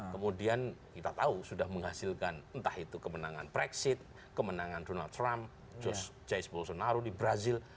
kemudian kita tahu sudah menghasilkan entah itu kemenangan brexit kemenangan donald trump jais bolsonaro di brazil